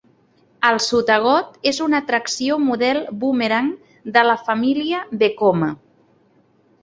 El sotagot és una atracció model bumerang de la família Vekoma.